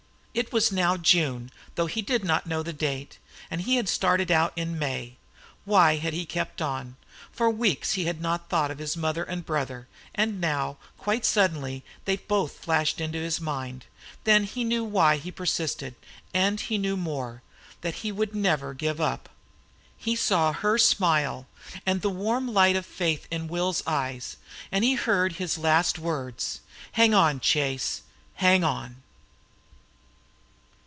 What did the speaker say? It was now June, though he did not know the date, and he had started out in May. Why had he kept on? For weeks he had not thought of his mother and brother, and now, quite suddenly, they both flashed into his mind. Then he knew why he had persisted, and he knew more, that he would never give up. He saw her smile, and the warm light of faith in Will's eyes, and he heard his last words: "Hang on, Chase. Hang on!"